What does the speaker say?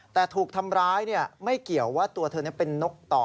แต่ถูกทำร้ายไม่เกี่ยวว่าตัวเธอเป็นนกต่อ